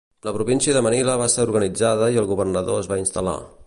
La província de Manila va ser organitzada i el governador es va instal·lar.